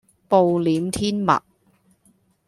暴殄天物